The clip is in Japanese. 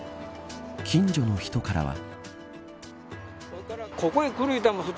近所の人からは。